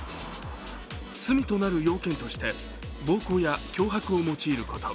罪となる要件として暴行や脅迫を用いること